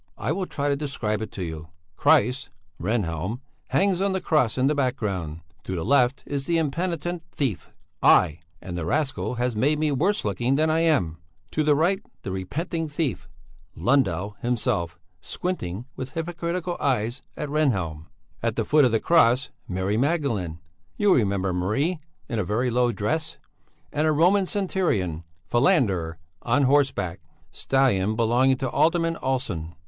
I will try to describe it to you. Christ (Rehnhjelm) hangs on the cross in the background; to the left is the impenitent thief (I; and the rascal has made me worse looking than I am); to the right the repenting thief (Lundell himself, squinting with hypocritical eyes at Rehnhjelm); at the foot of the cross Mary Magdalene (you will remember Marie in a very low dress), and a Roman centurion (Falander) on horseback (stallion belonging to Alderman Olsson).